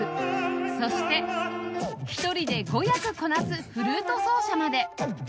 そして１人で５役こなすフルート奏者まで